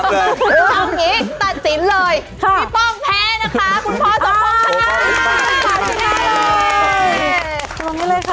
สามารถที่นี่เลย